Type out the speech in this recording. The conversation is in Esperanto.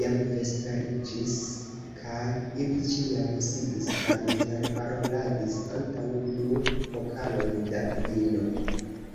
Jam vesperiĝis, kaj ili ĉiam sidis kaj interparoladis antaŭ du pokaloj da vino.